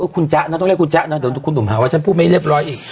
คุณจ๊ะนะต้องเรียกคุณจ๊ะนะเดี๋ยวคุณหนุ่มหาว่าฉันพูดไม่เรียบร้อยอีก